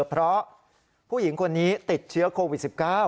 เพราะผู้หญิงคนนี้ติดเชื้อโควิด๑๙